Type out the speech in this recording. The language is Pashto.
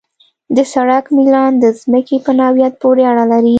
د سړک میلان د ځمکې په نوعیت پورې اړه لري